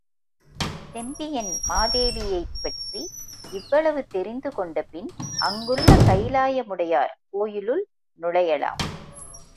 செம்பியன் மாதேவியைப்பற்றி இவ்வளவு தெரிந்து கொண்டபின் அங்குள்ள கைலாயமுடையார் கோயிலுள் நுழையலாம்.